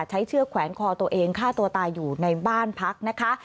เชือกแขวนคอตัวเองฆ่าตัวตายอยู่ในบ้านพักนะคะ